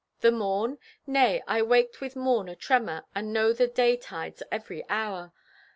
The morn? Nay, I waked with morn atremor, And know the day tide's every hour.